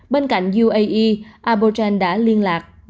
bên cạnh uae abotren đã liên lạc